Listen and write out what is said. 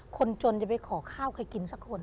คนจนจะไปขอข้าวใครกินสักคน